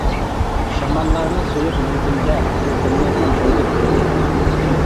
شاماللارمۇ سۆيۈپ مەڭزىمگە، ھەسرىتىمنى ئۆچۈردى بىر-بىر.